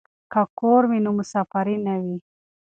که کور وي نو مسافري نه وي.